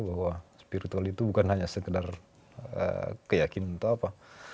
bahwa spiritual itu bukan hanya sekedar keyakinan atau apa